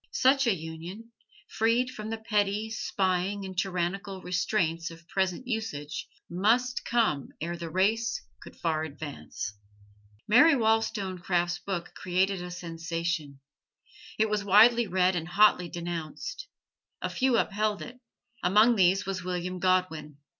Such a union, freed from the petty, spying and tyrannical restraints of present usage, must come ere the race could far advance. Mary Wollstonecraft's book created a sensation. It was widely read and hotly denounced. A few upheld it: among these was William Godwin.